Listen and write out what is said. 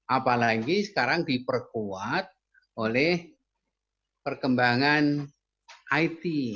apalagi sekarang diperkuat oleh perkembangan it